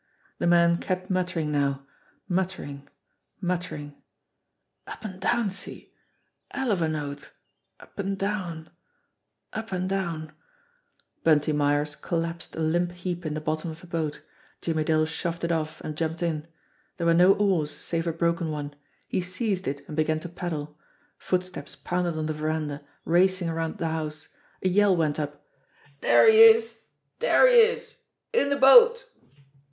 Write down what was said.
The man kept muttering now, mutter* bag, muttering : 252 JIMMIE DALE AND THE PHANTOM CLUE "... Up an' down see? 'ell of a note up an' down up an' down " Bunty Myers collapsed a limp heap in the bottom of the boat. Jimmie Dale shoved it off, and jumped in. There were no oars, save a broken one. He seized it, and began to paddle. Footsteps pounded on the verandah, racing around the house. A yell went up : "Dere he is ! Dere he is in de boat